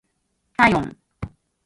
体温